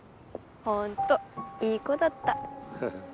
本当いい子だった。